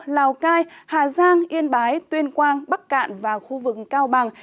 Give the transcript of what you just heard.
lào cai hà giang yên bái tuyên quang bắc cạn và khu vực cao bằng